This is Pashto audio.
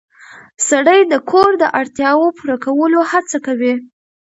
سړی د کور د اړتیاوو پوره کولو هڅه کوي